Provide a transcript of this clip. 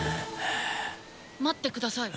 待ってください。